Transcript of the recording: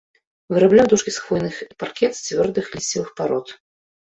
Вырабляў дошкі з хвойных і паркет з цвёрдых лісцевых парод.